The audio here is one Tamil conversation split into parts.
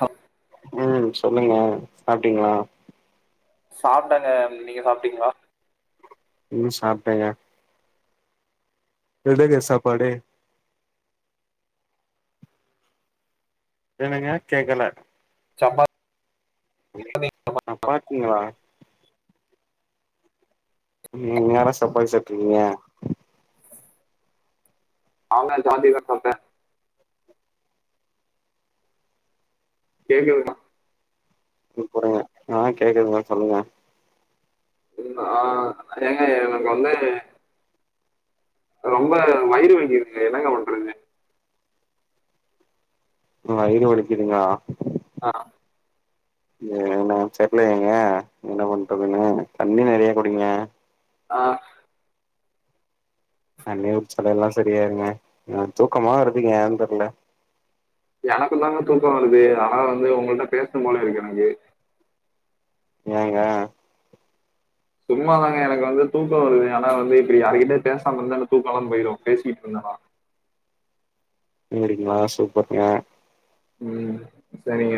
ஹ ம் சொல்லுங்க சாப்ட்டீங்ளா சாப்டங்க நீங்க சாப்ட்டீங்ளா ம் சாப்டெங்க எட க சாப்பாடே என்னங்க கேக்கல சப்பா ஆ பாத்தீங்களா நீ நேரா சப்பாய் செட்ரிங்ஏ அவங்கள் ஜாதி சப்போட்டர் [unintelligible] முக் கொடைங்க ஆ கேக்குதுங்ளா சொல்லுங்க ஆ ஏங்க எனக்கு வந்நே ரொம்ப வயிறு வங்கியிருக்கு என்னங்க பண்றது வய்று ஒலக்குதுங்கா ஆ ஏனாம் செர்ல ஏங்க என்ன பண்றதுன்னு தண்ணி நெறைய குடிங்க ஆ அண்ணி உக்ச்சலல்லா சரியாய்ருங்க அ தூக்கமா வருதுங்க ஏன்னு தெர்ல எனக்கு தாங்க தூக்கோ வருது ஆனா வந்து உங்கள்ட பேஸ்னும் போல இருக்கு எனக்கு ஏங்க சும்மாதாங்க எனக்கு வந்து தூக்கோ வருது ஆனா வந்து இப்பிடி யார்கிட்ட பேசாம இருந்தால தூக்கலாம் போய்ரு பேசிட்ருந்தனா மூ எடிக்கிங்ளா சூப்பர் யே ம் சரிங்க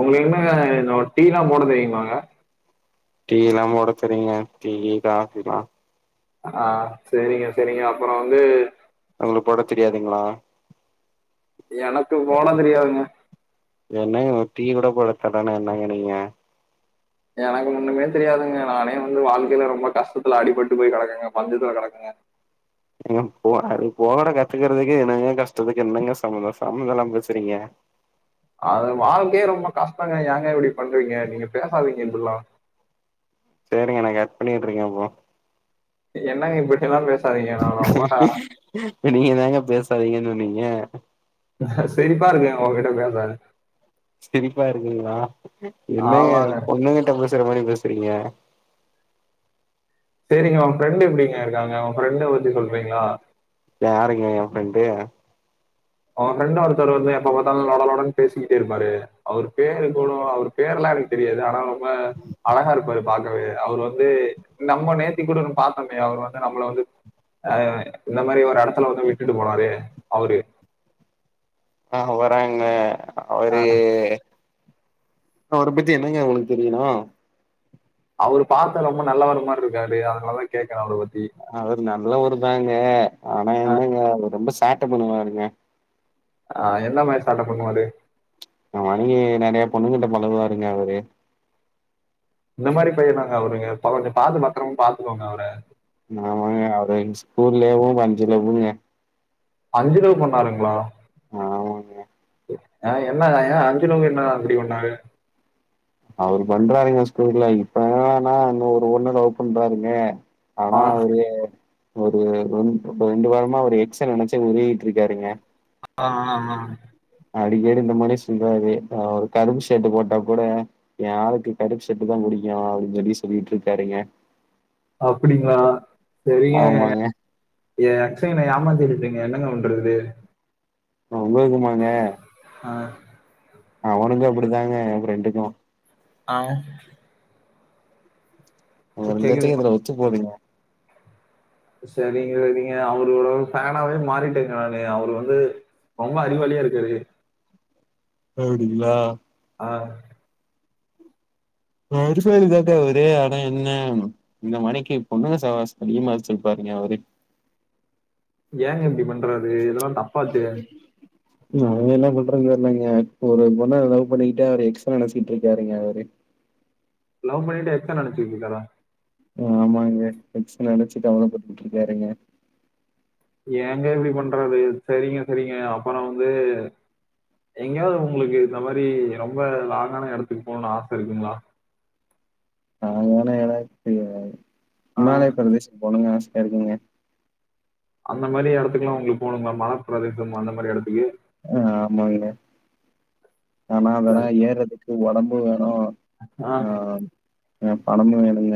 உங்களு என்னஅ எதோ டீலா போட தெரியுங்ளாஅ டீ எல்லாம் போட தெறீங்க டீஇ காஃபில்லா ஆ செரிங்க செரிங்க அப்பறோ வந்து உள்ளு போட தெரியாதுங்ளா எனக்கு போட தெரியாதுங்க என்னங்க ஒரு டீ கூட போடத்தெடர்லனா என்னங்க நீங்க எனக்கு ஒண்ணுமே தெரியாதுங்க நானே வந்து வாழ்க்கைல ரொம்ப கஷ்டத்துல அடிபட்டு போய் கெடக்கேங்க பஞ்சத்துல கெடக்கேங்க ஏங்க போறாரு போற கத்துக்கறதுக்கு என்னங்க கஷ்டத்துக்கு என்னங்க சம்மந்தோ சம்மந்தோ இல்லாம பேசுறீங்க அது வாழ்க்கயே ரொம்ப கஷ்டோங்க ஏங்க இப்டி பன்றீங்க நீங்க பேசாதீங்க இப்பில்லா சேரிங்க நா கட் பண்ணிட்ருக்கே அப்போ என்னங்க இப்டில்லா பேச நீங்கதாங்க பேசாதீங்கன் சொன்னீங்க சிரிப்பாருக்குங்க ஒங்கிட்ட பேச சிரிப்பாருக்குங்ளா என்னங்க ஆமாங்க. பொண்ணுங்கிட்ட பேசுற மாரி பேசுறீங்க சேரிங்க ஒங்க ஃப்ரெண்டு எப்டிங்க இருக்காங்க ஒங்க ஃப்ரெண்ட பத்தி சொல்றீங்ளா யாருங்க எ ஃப்ரெண்டு ஒங்க ஃப்ரெண்டு ஒருத்தர் வந்து எப்ப பாத்தாலு லொடலொடன் பேசிட்டே இருப்பாரு அவ்ரு பேரு கூட அவ்ரு பேர்ல்லா எனக்கு தெரியாது ஆனா ம்ப அழகாருப்பாரு பாக்கவே அவ்ரு வந்து நம்ம நேத்தி கூட பாத்தம்மே அவரு வந்து நம்ள வந்து ஆ இந்த மாரி ஒரு எடத்துல வந்து விட்டுட்டு போனாரு அவுரு அவராங்க அவரு ஆஹ் அவர பத்தி என்னங்க ஒங்களுக்கு தெரியனு அவரு பாத்தா ரொம்ப நல்லவரு மார்ருக்காரு அதனால தா கேக்குறே அவர பத்தி அவரு நல்லவருதாங்க ஆனா என்னங்க அவரு ரொம்ப சேட்ட பண்ணுவாருங்க ஆ என்னு மாரி சேட்ட பண்ணுவாரு ஆமாங்கி நறைய பொண்ணுங்கிட்ட பழகுவாருங்க அவரு இந்த மாரி பையனாங்க அவருங்க ப்ப கொஞ்சோ பாத்து பத்ரமா பாத்துக்கோங்க அவர ஆமாங்க அவரு எங் ஸ்கூலயு அஞ்சு லவ்வுங்க அஞ்சு லவ் பண்ணாருங்ளா ஆமாங்க ஆ என்னங்க ஏ அஞ்சு லவ்வு என்ன அப்டி பண்ணாக அவுரு பண்றாருங்க ஸ்கூல்ல இப்ப என்னனா இன்னு ஒரு பொண்ண லவ் பண்றாருங்க ஆனா ஆஹ் அவுரு ஒரு ஒன் ரெண்டு வாரமா அவுரு எக்ஸ நெனச்சு உறிகிட்ருக்காருங்க ஆ ஆ ஆ அடிக்கடி இந்த மாரி சொல்லுவாரு நா ஒரு கருப்பு ஷர்ட்டு போட்டா கூட எ ஆளுக்கு கருப்பு ஷர்ட்டு தா புடிக்கு அப்டின் சொல்லி சொல்லிட்ருக்காருங்க அப்டிங்களா செரிங்கங்க ஆமாங்க எ அக்சய் என்ன ஏமாத்திட்டிட்டுங்க என்னங்க பண்றது ஆ ஒங்களுக்குமாங்க ஆ அவனுக்கு அப்டிதாங்க எ ஃப்ரெண்டுக்கு ஆ ஒங்க ரெண்டு பேத்துக்கு கேக்குதுங்க இதுல ஒத்து போதுங்க செரிங்க நீங்க அவரோட ஃபேனாவே மாறிட்டே நானு அவுரு வந்து ரொம்ப அறிவாளியாருக்காரு அப்டிங்களா ஆ நா அறிவாளி‌ தான்டா து அட என்ன இந்த மணிக்கு பொண்ணுங்க சவகாசம் அதிகமா வெச்சிருபாருங்க அவரு ஏங்க இப்படி பண்றா [inaudible] அது என்ன பண்றத் தெர்லங்க ஒரு பொண்ண லவ் பண்ணிக்கிட்டே அவுரு எக்ஸ நெனச்சிட்ருக்காருங்க அவுரு லவ் பண்ணிட்டு எக்ஸ நெனச்சிட்ருக்காரா ஆமாங்க எக்ஸ நெனச்சிட்டு கவல பட்டுட்ருக்காருங்க ஏங்க இபடி பண்றாரு செரிங்க செரிங்க அப்புற வந்து எங்கேயாவ்து உங்களுக்கு இந்த மாதரி ரொம்ப லாங்கான எடத்துக்கு போணு ஆச இருக்குங்களா அங்க வேனா ஏதாச்சு ஆ இமாலய பிரதேசத்க்கு போணு ஆச இருக்குங்க அந்த மாரி எடத்துக்குல்லா உங்களுக் போனுங்ளா மலப் பிரதேசம் அந்த மாரி எடத்துக்கு அ ஆமாங்க ஆனா அதலா சரி. ஏறற்துக்கு ஒடம்பு வேணு ஆ ஆ பணமு வேணுங்க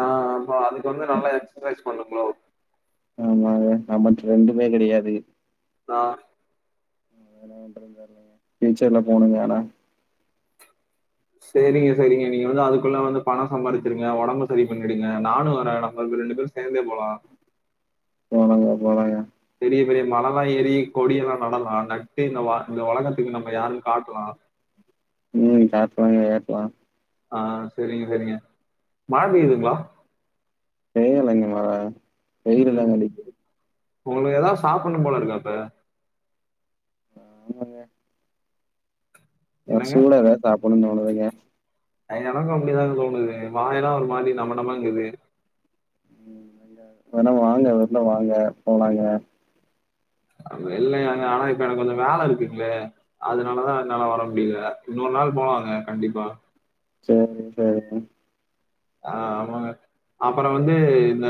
ஆ அப்ப அதுக்கு வந்து நல்லா எக்சசைஸ் பண்ணுங் ப்ரோ ஆமாங்க நமக் ரெண்டுமே கெடையாது ஆ ஃபியூச்சர்ல போணுங்க ஆனா செரிங்க செரிங்க நீங்க வந்து அதுக்குள்ள வந்து பணோ சம்பாதிச்சிடுங்க உடம்பு செரி பண்ணிடுங்க நானு வரே நம்ப வந் ரெண்டு பேரு சேந்தே போலா போலாங்க போலாங்க பெரிய பெரிய மலல்லா ஏறி கொடியெல்லா நடலா நட்டு இந்த வ இந்த ஒலகத்துக்கு நம்ம யாருனு காட்டலா ம் சாப்ட்டு வாங்க ஏத்லா ஆ செரிங்க செரிங்க மழ பெய்யுதுங்ளா பெய்யலெங்க மழ வெயிலு ம். தாங்க அடிக்கிது உங்களுக்கு எதாவ் சாப்புண்ணும் போல இருக்கா இப்ப ஆமாங்க அ என்னங்க? சூடா எதாவ்த் சாப்புண்ணு தோனுதுங்க அ எனக்கு அப்டிதா தோனுது வாயெல்லா ஒரு மாரி நமநமங்குது வேணா வாங்க வெள்ல வாங்க போலாங்க வெள்ல ஏங்க ஆனா இப்ப எனக்கு கொஞ்ச வேல இருக்குங்ளே அதனாலதா என்னாலா வர முடியில இன்னொரு நாள் போலாங்க கண்டிப்பா சேரி சேரிங் ஆ ஆமாங்க அப்பற வந்து இந்த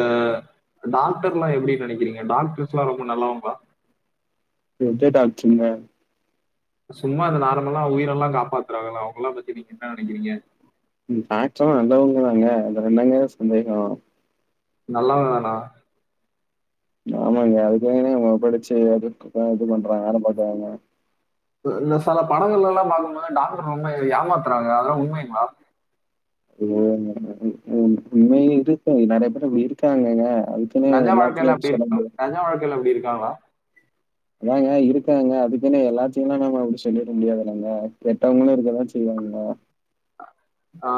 டாக்டர்லா எப்டி நெனைக்கிறீங் க டாக்டர்ஸ்லா ரொம்ப நல்லவங்களா எந்த டாக்ட்ருங்க சும்மா அ நார்மலா உயிரெல்லா காப்பாத்துறாகள அவுங்கலா பத்தி நீங்க என்ன நெனைக்கிறீங்க ம் டாக்ட்ரெல்லா நல்லவங்க தாங்க அதுல என்னங்க சந்தேகோ நல்லவ தானா ஆமாங்க அதுக்காக தான அவுங்க படிச்சு அதுக்குதா இது பண்றங்க வேல பாக்கறாங்க அ இந்த செல படங்கள்ளெல்லா பாக்கும்போது டாக்டர் ரொம்ப ஏமாத்துறாங்க அதெல்லா உண்மைங்ளா [unintelligible] உண்மையில இருக்கு நெறைய பேரு அப்டி இருக்காங்கங்க அதுக் நெஜ வாழ்க்கைல அப்டி இருக்கா நெஜ வாழ்க்கைல அப்டி இருக்காங்ளா அதாங்க இருக்காங்கங்க அதுக்குன்னு எல்லாத்தியுல்லா நாம அப்டி சொல்லிட முடியாதுல்லங்க கெட்டவங்களு இருக்கதா செய்வாங்கங்க ஆ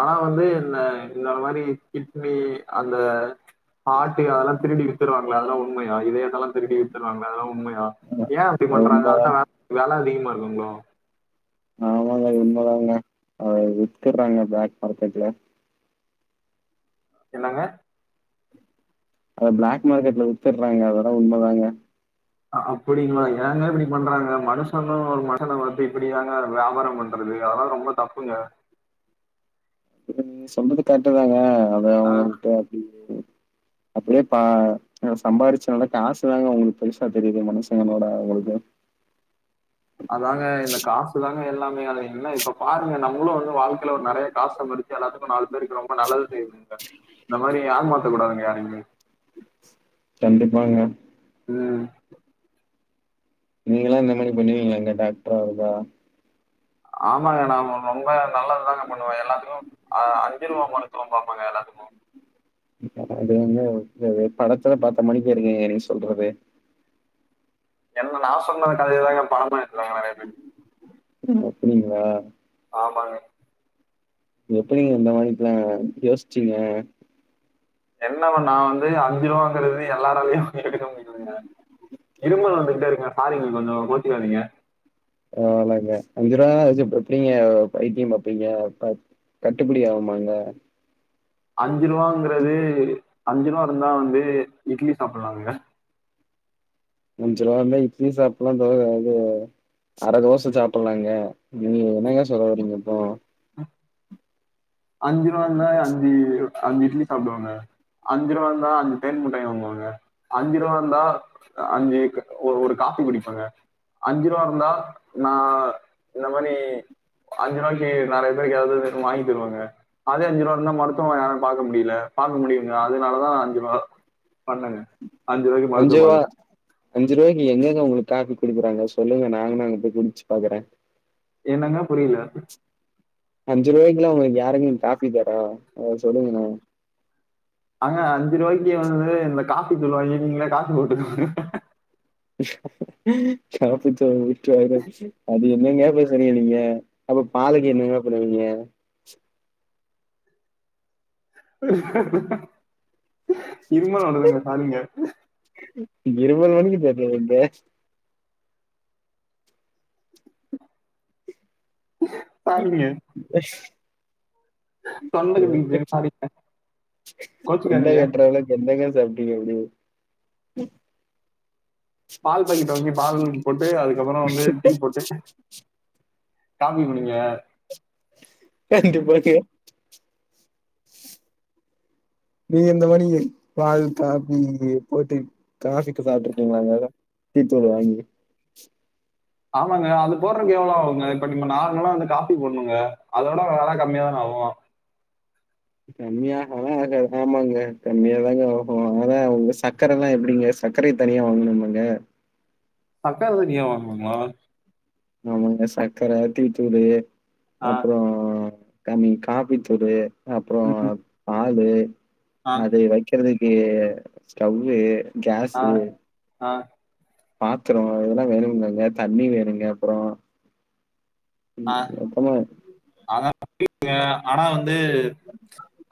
ஆனா வந்து இந்த இந்த மாரி கிட்னி அந்த ஹாட்டு அதெல்லா திருடி வித்துருவாங்லே அதெல்லா உண்மையா இதயத்தல்லா திருடி வித்துருவாங்ல அதெல்லா உண்மையா நா ஏ அப்டி அது பண்றாங்க உண்மைதான் அடுதா வெல அதிகமா இருக்குங்ளோ ஆமாங்க உன்மதாங்க அத வித்துட்றாங்க ப்ளாக் மார்கெட்ல என்னங்க அத பிளாக் மார்க்கெட்ல வித்துட்றாங்க அதெல்லா உண்மதாங்க அப்டிங்களா ஏங்க இப்டி பண்றாங்க மனுஷன்னு ஒரு மகன வந்து இப்பிடியாங்க வியாபார பண் றது அதெல்லா ரொம்ப தப்புங்க இப்ப நீங் சொல்ரது கரெக்ட்டுதாங்க அத அஹ் அவங்ககிட்ட அப்டி ப்பேயேபா ந சம்பாரிச்சனால காசு தாங்க அவுங்களுக்கு பெருசா தெரியுது மனுசங்களோட அவுங்களுக்கு அதாங்க இந்த காசு தாங்க எல்லாமே அது என்ன இப்ப பாருங்க நம்முளு வந்து வாழ்க்கையில ஒரு நெறைய காசு சம்பாரி எல்லாத்துக்கு நாலு பேரு இருக்கறவுங்க நல்லது செய்ங்க இந்த மாரி ஏமாத்த கூடாதுங்க யாரையுமே கண்டிப்பாங்க ம் நீங்களா இந்த மாரி பண்ணுவீங்களாங்க டாக்டரா இருந்தா ஆமாங்க நா ரொம்ப நல்லது தாங்க பண்ணுவே எல்லாத்துக்கு அ அஞ்சு ரூவா மருத்துவம் பாப்பங்க எல்லாத்துக்கு இப்ப த அது வந்து [unintelligible] படத்துல பாத்த மாரிக்க இருக்குங்க நீங் சொல்றது என்ன நா சொன்ன கதையதாங்க படமா எடுக்குறாங்க நெறைய பேரு ம் அப்டிங்ளா ஆமாங்க எப்டிங்க இந்த மாரி ப்ளான் எல்லா யோஸ்ச்சீங்க. என்னவ நா வந்து அஞ்சு ரூவாங்கறது எல்லா நாள்லையு எடுக்க முடியுங்க இருமல் வந்துகிட்டே இருக்குங்க சாரிங்க கொஞ்சோ கோச்சிகாதீங்க பலாங்க அஞ்சு ரூவா வச்சு இப் எப்டிங்க வைத்தியம் பாப்பீங்க கட்டுப்பிடி ஆவுமாங்க அஞ்சு ரூவாங்கிறது அஞ்சு ரூவா இருந்தா வந்து இட்லி சாப்பிட்லாங்க அஞ்சு ரூவா இருந்தா இட்லி சாப்புட்லா தோ அது அர தோச சாப்பிட்லாங்க நீ என்னங்க சொல்ல வரீங்க இப்போ அஞ்சு ரூவாந்தா அஞ்சு அஞ்சு இட்லி சாப்பிடுவாங்க அஞ்சு ரூவா இருந்தா அஞ்சு தேன் முட்டாய் வாங்குவாங்க அஞ்சு ரூவா இருந்தா அஞ்சு ஒரு காபி குடிப்பேங்க அஞ்சு ரூபா இருந்தா நா இந்த மாரி அஞ்சு ரூவாய்க்கி நெறய பேருக்கு ஏதாவது வாங்கி தருவேங்க அதே அஞ்சு ரூவா இருந்தா மருத்துவம் யாரும் பாக்க முடில பாக்க முடியுங்க அதுனால தா அஞ்சு ரூவா பண்ணுங்க அஞ்சு வா அஞ்சு ரூவாய்கி எங்கங்க ஒங்களுக் காபி குடுக்குறாங்க சொல்லுங்க நாங்கனா அங்க போய் குடிச்சு பாக்குறே என்னங்க புரில அஞ்சு ரூவாய்க்குலா ஒங்களுக்கு யாருங்க காஃபி தரா அத சொல்லுங்க நா அங்க அஞ்சு ரூவாய்க்கு வந்து இந்த காபி தூள் வாங்கி நீங்களே காபி போட்டுகோங்க காபித்தூள் [inaudible] அது என்னங்க பேசறீங்க நீங்க அப்ப பாலுக்கு என்னங்க பண்ணுவீங்க இருமல் வருதுங்க சாரிங்க இருமல் வரக்கு [unintelligible] சாரிங்க அ [inaudible] தொண்டை கட்டிக்கிச்சு சாரி தொண்டைய கோச்சுக்காதீங்க கட்ற அளவுக் என்னங்க சாப்டீங்க அப்டி பால் பாக்கெட்டு வாங்கி பால் ஒன் போட்டு அதுக்கப்பறோ வந்து டீ போட்டு. காப்பி குடிங்க. [unintelligible] நீ இந்த மாரி பால் காபி போட்டு காஃபிக்கு சாப்டிருக்கீங்களாங்க டீ தூள வாங்கி ஆமாங்க அது போட்றக்கு எவ்ளோ ஆவுங்க இப்ப நம்ம நார்மலா வந்து காபி போட்னோங்க அதோட வெல கம்மியா தான ஆவோ கம்மியாகலா ஆகாதுங் ஆமாங்க கம்மியாதாங்க ஆகு ஆனா உங்க சக்கரல்லா எப்டிங்க சர்க்கரைய தனியா வாங்கணுமாங்க அக்கா தனியா வாங்குவாங்களா ஆமாங்க சாக்கர டீத்தூளு ஆ அப்றோ றோ கமி காபித்தூளு அப்றோ ம் ம் பாலு அது வெக்கறதுக்கு ஸ்டவு ஆ கேஸு ஆ பாத்துரோ இதெல்லா வேணு இல்லங்க தண்ணி வேணுங்க அப்பறோ ம் ஆ மொத்தமா ஆனா [inaudible] ஆனா வந்து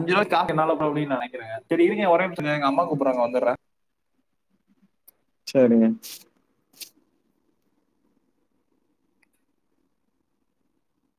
கொஞ்ச நாள் கார் என்னால அப்டின்னு நா நெனைக்கிறங்க சேரி இருங்க ஒரே நிமிஷோங்க எங்க அம்மாக் கூப்புட்றங்க வந்துட்ற சேரிங்க